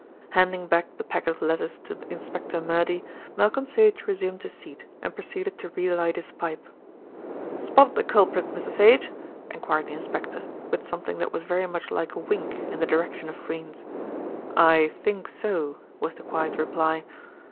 Handing back the packet of letters to Inspector Murdy, Malcolm Sage resumed his seat, and proceeded to re light his pipe. "Spotted the culprit, Mr. Sage?" enquired the inspector, with something that was very much like a wink in the direction of Freynes. "I think so," was the quiet reply.